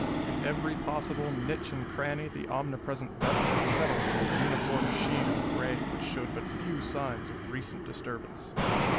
In every possible niche and cranny the omnipresent dust had settled in a uniform sheen of gray which showed but few signs of recent disturbance.